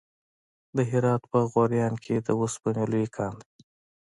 د هرات په غوریان کې د وسپنې لوی کان دی.